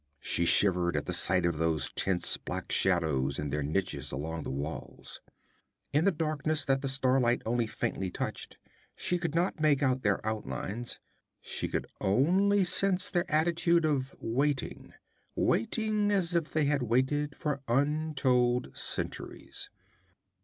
She shivered at the sight of those tense black shadows in their niches along the walls. In the darkness that the starlight only faintly touched, she could not make out their outlines; she could only sense their attitude of waiting waiting as they had waited for untold centuries.